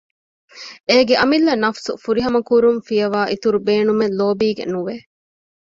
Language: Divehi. އޭގެ އަމިއްލަ ނަފުސު ފުރިހަމަކުރުން ފިޔަވައި އިތުރު ބޭނުމެއް ލޯބީގެ ނުވެ